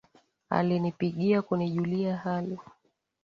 Alinipigia kunijulia hali